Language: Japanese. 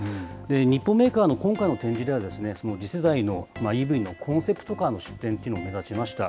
日本メーカーの今回の展示では、次世代のＥＶのコンセプトカーの出展というのも目立ちました。